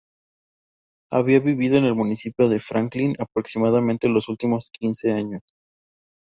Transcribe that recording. Había vivido en el municipio de Franklin aproximadamente los últimos quince años.